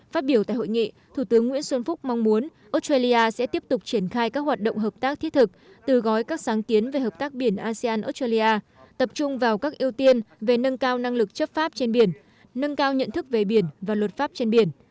phát biểu tại hội nghị thủ tướng nguyễn xuân phúc mong muốn australia sẽ tiếp tục triển khai các hoạt động hợp tác thiết thực từ gói các sáng kiến về hợp tác biển asean australia tập trung vào các ưu tiên về nâng cao năng lực chấp pháp trên biển nâng cao nhận thức về biển và luật pháp trên biển